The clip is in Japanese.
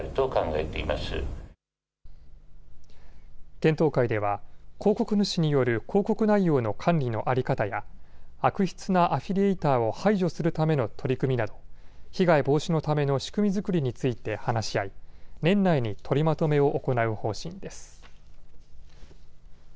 検討会では広告主による広告内容の管理の在り方や悪質なアフィリエイターを排除するための取り組みなど被害防止のための仕組み作りについて話し合い年内に取りまとめを行う方針です。